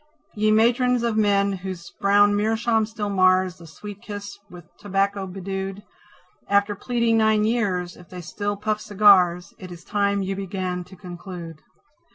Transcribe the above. Ye Matrons of men whose brown meerschaum still mars The sweet kiss with tobacco bedewed, After pleading nine years, if they still puff cigars, It is time you began to conclude.